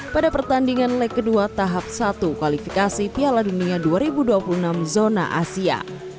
pada pertandingan leg kedua tahap satu kualifikasi piala dunia dua ribu dua puluh enam zona asia